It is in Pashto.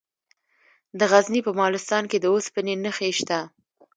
د غزني په مالستان کې د اوسپنې نښې شته.